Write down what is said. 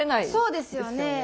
そうですよね。